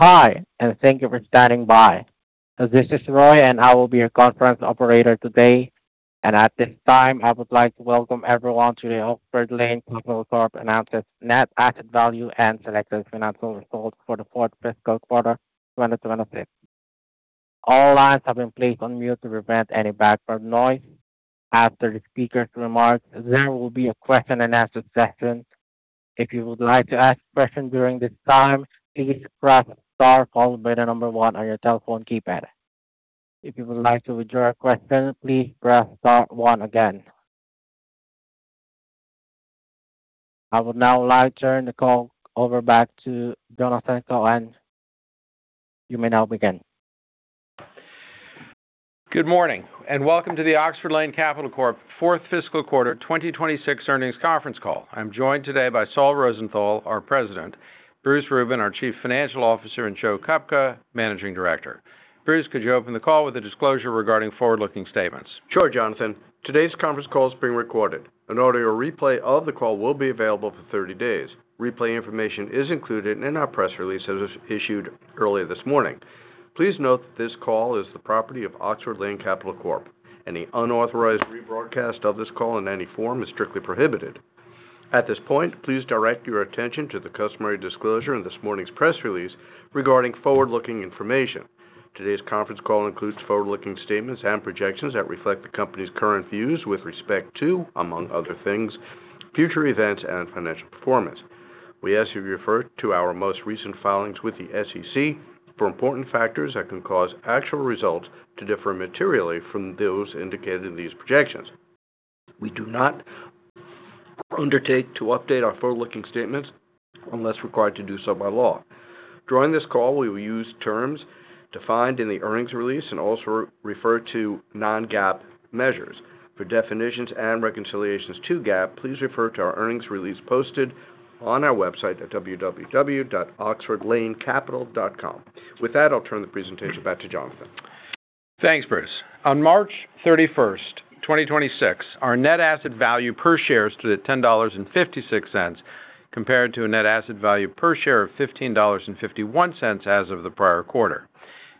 Hi, thank you for standing by. This is Roy, I will be your conference operator today. At this time, I would like to welcome everyone to the Oxford Lane Capital Corp announces net asset value and selected financial results for the fourth fiscal quarter 2026. All lines have been placed on mute to prevent any background noise. After the speaker's remarks, there will be a question-and-answer session. If you would like to ask a question during this time, please press Star followed by the number one on your telephone keypad. If you would like to withdraw your question, please press star one again. I would now like to turn the call over back to Jonathan Cohen. You may now begin. Good morning, and welcome to the Oxford Lane Capital Corp. fourth fiscal quarter 2026 earnings conference call. I'm joined today by Saul Rosenthal, our President; Bruce Rubin, our Chief Financial Officer; and Joe Kupka, Managing Director. Bruce, could you open the call with a disclosure regarding forward-looking statements? Sure, Jonathan. Today's conference call is being recorded. An audio replay of the call will be available for 30 days. Replay information is included in our press release that was issued earlier this morning. Please note that this call is the property of Oxford Lane Capital Corp. Any unauthorized rebroadcast of this call in any form is strictly prohibited. At this point, please direct your attention to the customary disclosure in this morning's press release regarding forward-looking information. Today's conference call includes forward-looking statements and projections that reflect the company's current views with respect to, among other things, future events and financial performance. We ask you to refer to our most recent filings with the SEC for important factors that can cause actual results to differ materially from those syndicated in these projections. We do not undertake to update our forward-looking statements unless required to do so by law. During this call, we will use terms defined in the earnings release and also refer to non-GAAP measures. For definitions and reconciliations to GAAP, please refer to our earnings release posted on our website at www.oxfordlanecapital.com. With that, I'll turn the presentation back to Jonathan. Thanks, Bruce. On March 31st, 2026, our net asset value per share stood at $10.56 compared to a net asset value per share of $15.51 as of the prior quarter.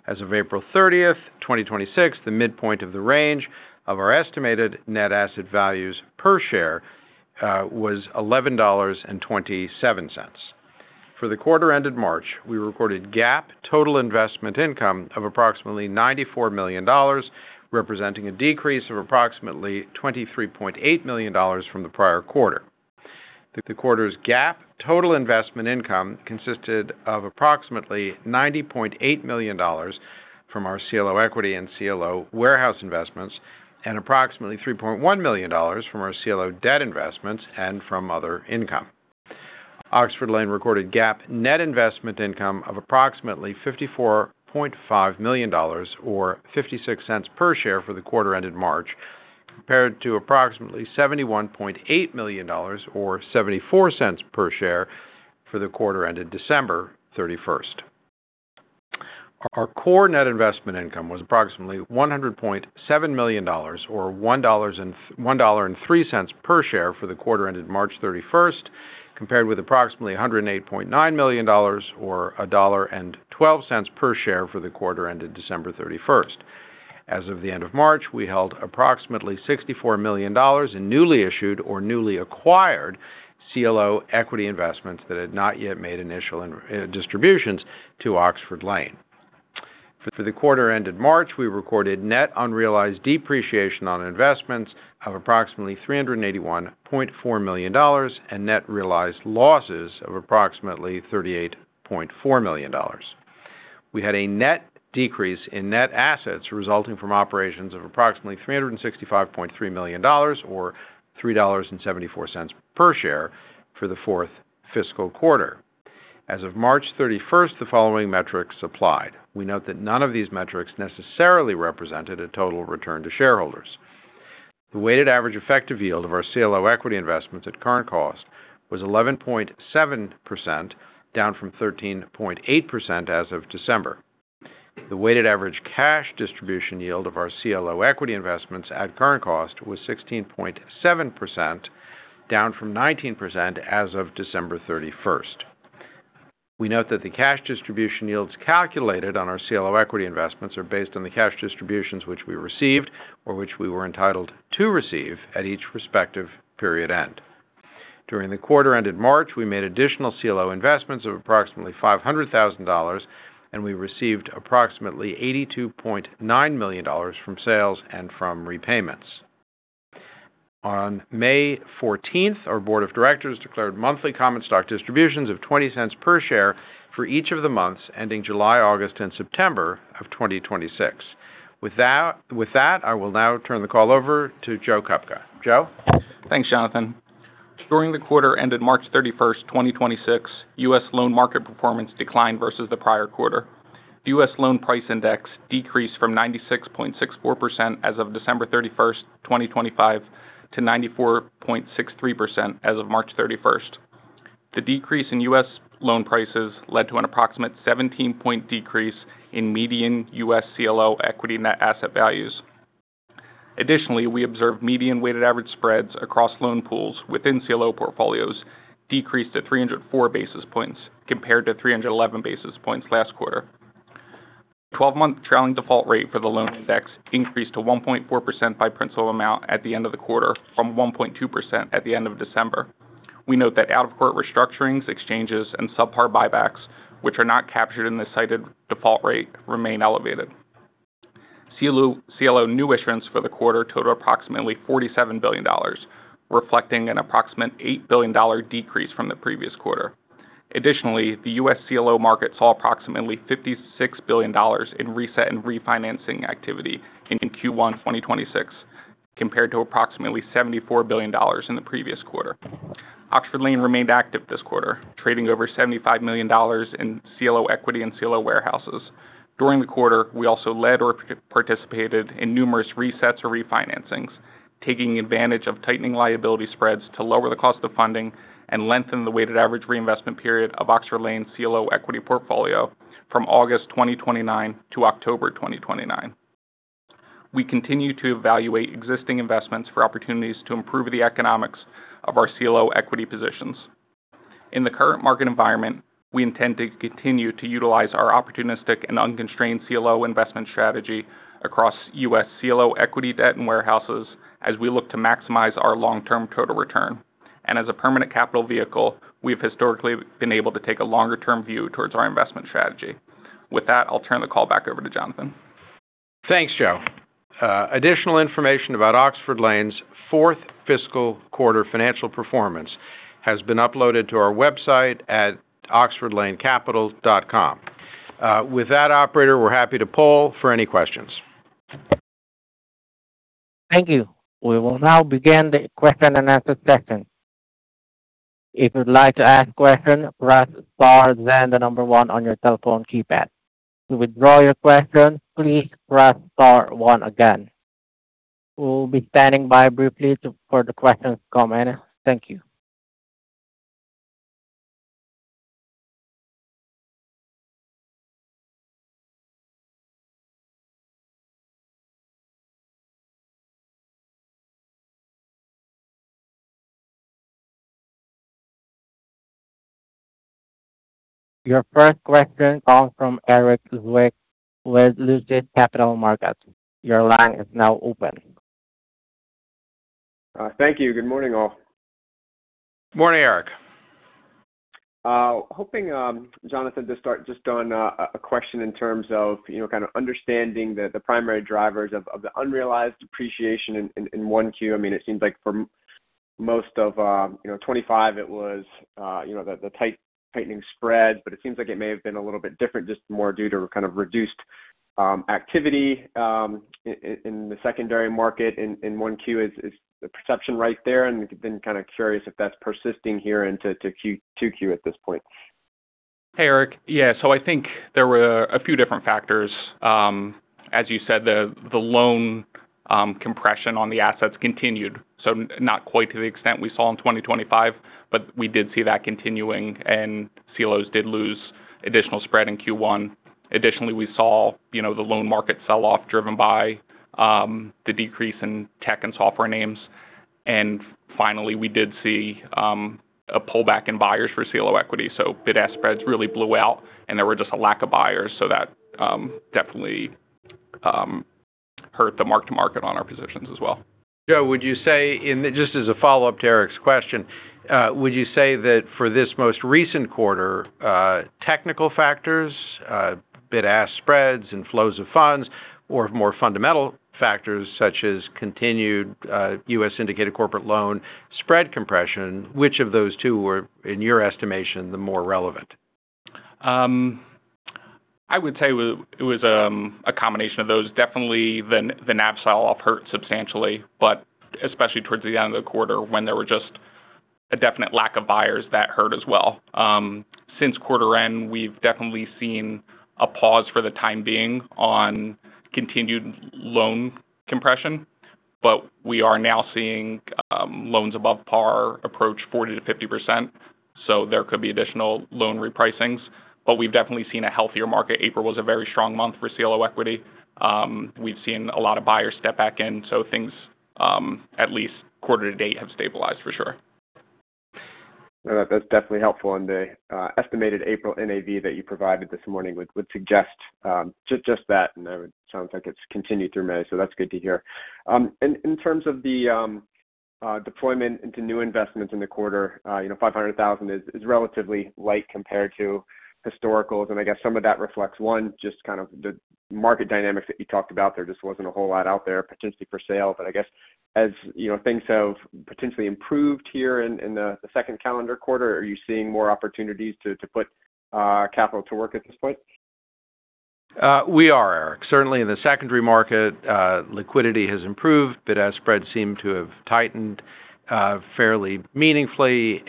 As of April 30th, 2026, the midpoint of the range of our estimated net asset values per share was $11.27. For the quarter ended March, we recorded GAAP total investment income of approximately $94 million, representing a decrease of approximately $23.8 million from the prior quarter. The quarter's GAAP total investment income consisted of approximately $90.8 million from our CLO equity and CLO warehouse investments and approximately $3.1 million from our CLO debt investments and from other income. Oxford Lane recorded GAAP net investment income of approximately $54.5 million or $0.56 per share for the quarter ended March, compared to approximately $71.8 million or $0.74 per share for the quarter ended December 31st. Our core net investment income was approximately $100.7 million or $1.03 per share for the quarter ended March 31st, compared with approximately $108.9 million or $1.12 per share for the quarter ended December 31st. As of the end of March, we held approximately $64 million in newly issued or newly acquired CLO equity investments that had not yet made initial distributions to Oxford Lane. For the quarter ended March, we recorded net unrealized depreciation on investments of approximately $381.4 million and net realized losses of approximately $38.4 million. We had a net decrease in net assets resulting from operations of approximately $365.3 million or $3.74 per share for the fourth fiscal quarter. As of March 31st, the following metrics applied. We note that none of these metrics necessarily represented a total return to shareholders. The weighted average effective yield of our CLO equity investments at current cost was 11.7%, down from 13.8% as of December. The weighted average cash distribution yield of our CLO equity investments at current cost was 16.7%, down from 19% as of December 31st. We note that the cash distribution yields calculated on our CLO equity investments are based on the cash distributions which we received or which we were entitled to receive at each respective period end. During the quarter ended March, we made additional CLO investments of approximately $500,000. We received approximately $82.9 million from sales and from repayments. On May 14th, our board of directors declared monthly common stock distributions of $0.20 per share for each of the months ending July, August, and September of 2026. With that, I will now turn the call over to Joe Kupka. Joe. Thanks, Jonathan. During the quarter ended March 31st, 2026, U.S. loan market performance declined versus the prior quarter. The U.S. loan price index decreased from 96.64% as of December 31st, 2025 to 94.63% as of March 31st. The decrease in U.S. loan prices led to an approximate 17-point decrease in median U.S. CLO equity net asset values. Additionally, we observed median weighted average spreads across loan pools within CLO portfolios decreased to 304 basis points compared to 311 basis points last quarter. 12-month trailing default rate for the loan index increased to 1.4% by principal amount at the end of the quarter from 1.2% at the end of December. We note that out-of-court restructurings, exchanges and subpar buybacks, which are not captured in the cited default rate, remain elevated. CLO new issuance for the quarter totaled approximately $47 billion, reflecting an approximate $8 billion decrease from the previous quarter. Additionally, the U.S. CLO market saw approximately $56 billion in reset and refinancing activity in Q1 2026, compared to approximately $74 billion in the previous quarter. Oxford Lane remained active this quarter, trading over $75 million in CLO equity and CLO warehouses. During the quarter, we also led or participated in numerous resets or refinancings, taking advantage of tightening liability spreads to lower the cost of funding and lengthen the weighted average reinvestment period of Oxford Lane CLO equity portfolio from August 2029 to October 2029. We continue to evaluate existing investments for opportunities to improve the economics of our CLO equity positions. In the current market environment, we intend to continue to utilize our opportunistic and unconstrained CLO investment strategy across U.S. CLO equity debt and warehouses as we look to maximize our long-term total return. As a permanent capital vehicle, we've historically been able to take a longer term view towards our investment strategy. With that, I'll turn the call back over to Jonathan. Thanks, Joe. Additional information about Oxford Lane's fourth fiscal quarter financial performance has been uploaded to our website at oxfordlanecapital.com. With that, operator, we're happy to poll for any questions. Thank you. We will now begin the question and answer session. We'll be standing by briefly for the questions and comments. Thank you. Your first question comes from Erik Zwick with Lucid Capital Markets. Your line is now open. Thank you. Good morning, all. Morning, Erik. Hoping, Jonathan, to start just on a question in terms of, you know, kind of understanding the primary drivers of the unrealized appreciation in 1Q. I mean, it seems like for most of, you know, 2025, it was, you know, the tightening spread, but it seems like it may have been a little bit different, just more due to kind of reduced activity in the secondary market in 1Q. Is the perception right there? Then kinda curious if that's persisting here into 2Q at this point. Hey, Erik. Yeah, I think there were a few different factors. As you said, the loan compression on the assets continued, not quite to the extent we saw in 2025, but we did see that continuing, and CLOs did lose additional spread in Q1. Additionally, we saw, you know, the loan market sell-off driven by the decrease in tech and software names. Finally, we did see a pullback in buyers for CLO equity. Bid-ask spreads really blew out and there were just a lack of buyers. That definitely hurt the mark-to-market on our positions as well. Joe, would you say just as a follow-up to Erik's question, would you say that for this most recent quarter, technical factors, bid-ask spreads and flows of funds or more fundamental factors such as continued, U.S. indicated corporate loan spread compression, which of those two were, in your estimation, the more relevant? I would say it was a combination of those. Definitely the NAV sell-off hurt substantially, especially towards the end of the quarter when there were just a definite lack of buyers that hurt as well. Since quarter end, we've definitely seen a pause for the time being on continued loan compression, we are now seeing loans above par approach 40%-50%. There could be additional loan repricings, we've definitely seen a healthier market. April was a very strong month for CLO equity. We've seen a lot of buyers step back in, things, at least quarter to date, have stabilized for sure. No, that's definitely helpful. The estimated April NAV that you provided this morning would suggest just that and sounds like it's continued through May, so that's good to hear. In terms of the deployment into new investments in the quarter, you know, $500,000 is relatively light compared to historicals. I guess some of that reflects one, just kind of the market dynamics that you talked about. There just wasn't a whole lot out there potentially for sale. I guess as, you know, things have potentially improved here in the second calendar quarter, are you seeing more opportunities to put capital to work at this point? We are, Erik. Certainly in the secondary market, liquidity has improved. Bid-ask spreads seem to have tightened fairly meaningfully.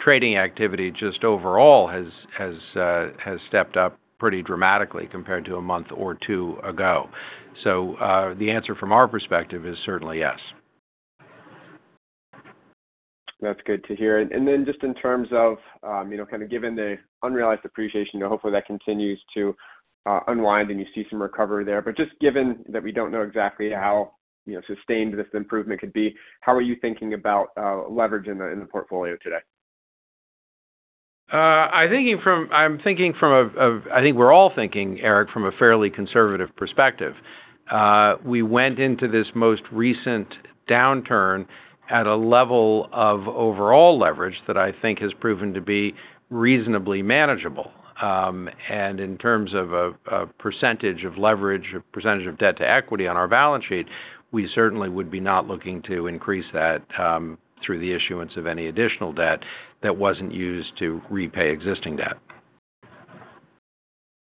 Trading activity just overall has stepped up pretty dramatically compared to a month or two ago. The answer from our perspective is certainly yes. That's good to hear. Just in terms of, you know, kind of given the unrealized appreciation, you know, hopefully that continues to unwind and you see some recovery there. Just given that we don't know exactly how, you know, sustained this improvement could be, how are you thinking about leverage in the portfolio today? I'm thinking from a, I think we're all thinking, Erik, from a fairly conservative perspective. We went into this most recent downturn at a level of overall leverage that I think has proven to be reasonably manageable. In terms of a percentage of leverage or percentage of debt to equity on our balance sheet, we certainly would be not looking to increase that through the issuance of any additional debt that wasn't used to repay existing debt.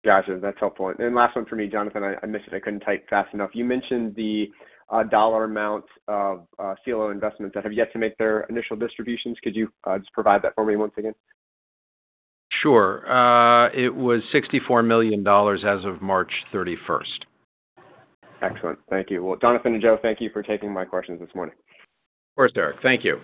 Gotcha. That's helpful. Last one for me, Jonathan, I missed it. I couldn't type fast enough. You mentioned the dollar amount of CLO investments that have yet to make their initial distributions. Could you just provide that for me once again? Sure. It was $64 million as of March 31st. Excellent. Thank you. Well, Jonathan and Joe, thank you for taking my questions this morning. Of course, Erik. Thank you.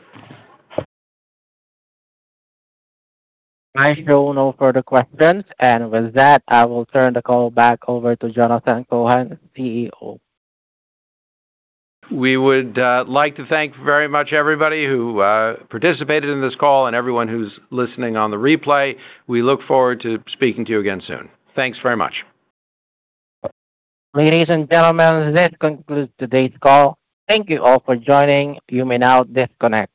I show no further questions. With that, I will turn the call back over to Jonathan Cohen, CEO. We would like to thank very much everybody who participated in this call and everyone who's listening on the replay. We look forward to speaking to you again soon. Thanks very much. Ladies and gentlemen, this concludes today's call. Thank you all for joining. You may now disconnect.